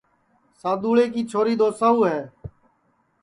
سادُؔوݪے کی چھوری دؔوساؤ ہے